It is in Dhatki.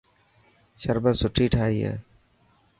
شربت سٺي ٺاهي هي.